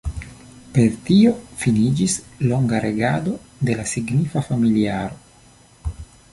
Per tio finiĝis longa regado de la signifa familiaro.